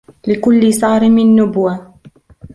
لكلّ صارم نبوة.